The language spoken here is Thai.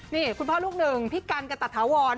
นี่คุณพ่อลูกหนึ่งพี่กันกตะถาวร